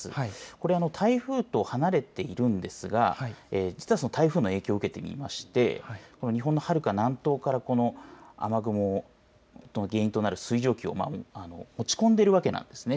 これ、台風と離れているんですが実はその台風の影響を受けていましてこの日本のはるか南東からこの雨雲の原因となる水蒸気を持ち込んでいるわけなんですね。